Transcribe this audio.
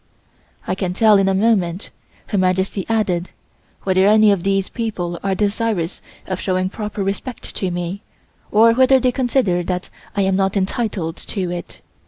"I can tell in a moment," Her Majesty added, "whether any of these people are desirous of showing proper respect to me, or whether they consider that I am not entitled to it.